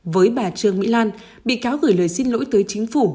với bà trương mỹ lan bị cáo gửi lời xin lỗi tới chính phủ